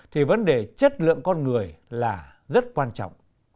thì vấn đề chất lượng con người là rất quan trọng